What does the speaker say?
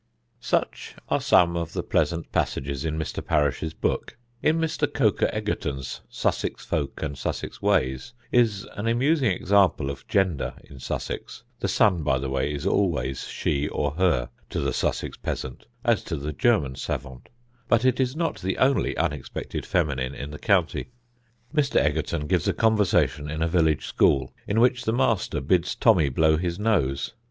Such are some of the pleasant passages in Mr. Parish's book. In Mr. Coker Egerton's Sussex Folk and Sussex Ways is an amusing example of gender in Sussex. The sun, by the way, is always she or her to the Sussex peasant, as to the German savant; but it is not the only unexpected feminine in the county. Mr. Egerton gives a conversation in a village school, in which the master bids Tommy blow his nose.